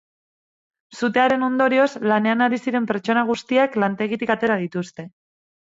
Sutearen ondorioz, lanean ari ziren pertsona guztiak lantegitik atera dituzte.